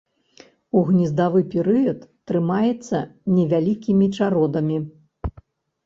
У гнездавы перыяд трымаецца невялікімі чародамі.